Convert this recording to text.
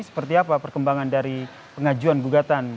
seperti apa perkembangan dari pengajuan gugatan